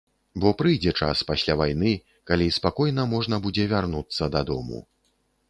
Бо прыйдзе час, пасля вайны, калі спакойна можна будзе вярнуцца дадому.